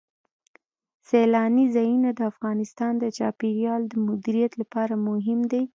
سیلانی ځایونه د افغانستان د چاپیریال د مدیریت لپاره مهم دي.